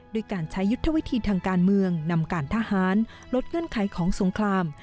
ด้วยการใช้ยุทธวิธีทางการเมืองนำการทหารลดเงื่อนไขของสงคราม